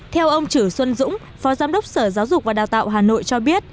theo ông chử xuân dũng phó giám đốc sở giáo dục và đào tạo hà nội cho biết